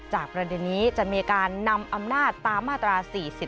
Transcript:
ประเด็นนี้จะมีการนำอำนาจตามมาตรา๔๔